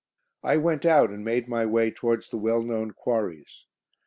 I went out, and made my way towards the well known Quarries.